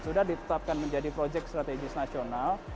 sudah ditetapkan menjadi proyek strategis nasional